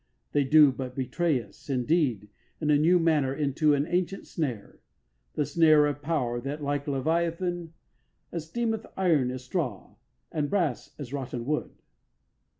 They do but betray us, indeed, in a new manner into an ancient snare the snare of a power that, like Leviathan, Esteemeth iron as straw, And brass as rotten wood.